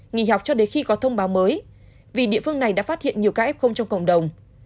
nghỉ học cho đến khi có thông báo mới vì địa phương này đã phát hiện nhiều ca f không trong cộng đồng